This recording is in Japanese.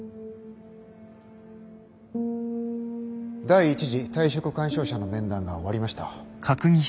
第一次退職勧奨者の面談が終わりました。